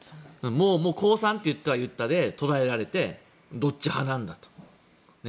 もう降参と言ったら言ったで捕らえられてどっち派なんだと。